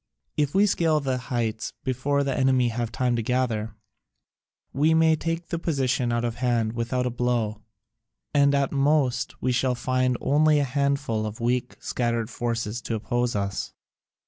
If we scale the heights before the enemy have time to gather, we may take the position out of hand without a blow, and at most we shall only find a handful of weak and scattered forces to oppose us.